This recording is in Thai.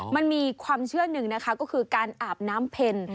มันมีความเชื่อหนึ่งนะคะก็คือการอาบน้ำเพ็ญ